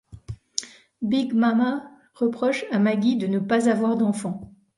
Big Mama reproche à Maggie de ne pas avoir d'enfant.